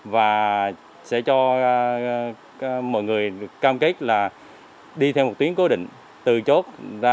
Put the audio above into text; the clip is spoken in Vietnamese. và sẽ cho mọi người cam kết là đi theo một tuyến cố định từ chốt ra